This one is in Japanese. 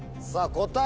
答え